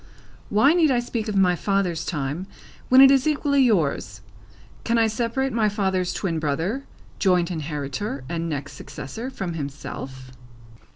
Why need I speak of my father's time, when it is equally yours? Can I separate my father's twin brother, joint inheritor, and next successor, from himself?"